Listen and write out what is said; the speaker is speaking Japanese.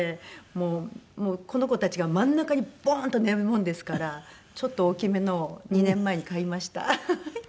もうこの子たちが真ん中にボーンと寝るもんですからちょっと大きめのを２年前に買いました。